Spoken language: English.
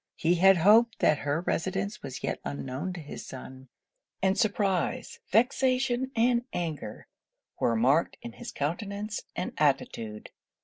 He had hoped that her residence was yet unknown to his son; and surprise, vexation, and anger, were marked in his countenance and attitude.